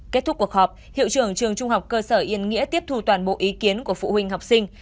kết thúc cuộc họp hiệu trưởng trường trung học cơ sở yên nghĩa tiếp thu toàn bộ ý kiến của phụ huynh học sinh